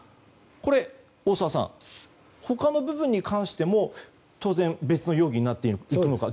これ、大澤さん他の部分に関しても当然別の容疑になっていくのか。